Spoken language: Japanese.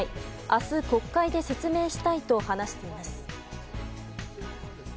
明日、国会で説明したいと話しています。